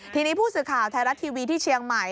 ทีนี้ผู้สื่อข่าวไทยรัฐทีวีที่เชียงใหม่